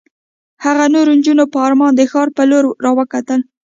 هغه نورو نجونو په ارمان د ښار په لور را وکتل.